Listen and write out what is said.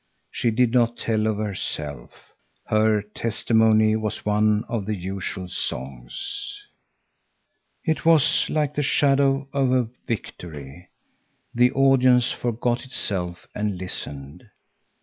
She did not tell of herself. Her testimony was one of the usual songs. It was like the shadow of a victory. The audience forgot itself and listened.